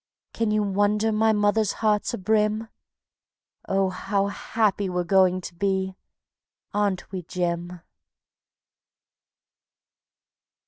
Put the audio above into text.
Can you wonder my mother heart's a brim? Oh, how happy we're going to be! Aren't we, Jim?